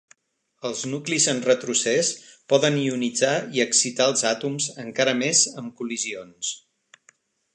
Els nuclis en retrocés poden ionitzar i excitar els àtoms encara més amb col·lisions.